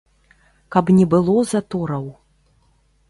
Каб не было затораў.